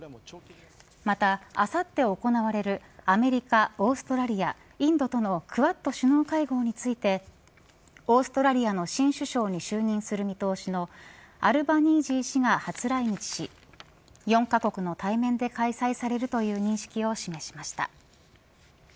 また、あさって行われるアメリカ、オーストラリアインドとのクアッド首脳会合についてオーストラリアの新首脳に就任する見通しのアルバニージー氏が初来日し４カ国の対面で開催されるとの認識を示しました。